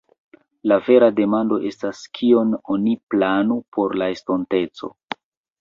La vera demando estas, kion oni planu por la estonteco.